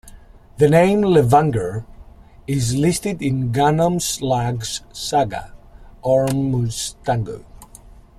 The name "Levanger" is listed in Gunnlaugs saga ormstungu.